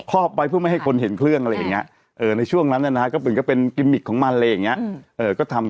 ครอบไว้เพื่อไม่ให้คนเห็นเครื่องอะไรอย่างเงี้ยในช่วงนั้นนะครับก็เป็นกริมมิคของมันเลยอย่างเงี้ยก็ทำ